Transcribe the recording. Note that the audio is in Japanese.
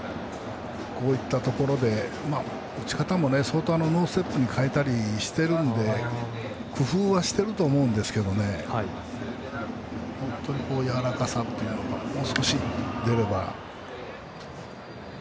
こういったところで打ち方も相当ノーステップに変えたりしているので工夫はしていると思うんですけどねやわらかさというのがもう少し出れば。